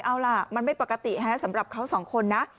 เอาล่ะมันไม่ปกติสำหรับเขาสองคนนะ